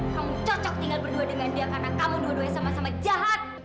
kamu cocok tinggal berdua dengan dia karena kalau dua duanya sama sama jahat